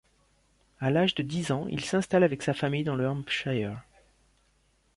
À l'âge de dix ans, il s'installe avec sa famille dans le Hampshire.